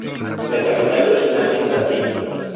La capital regional es Ati.